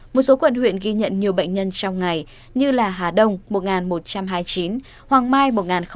một số quận huyện ghi nhận nhiều bệnh nhân trong ngày như hà đông một một trăm hai mươi chín hoàng mai một một mươi bảy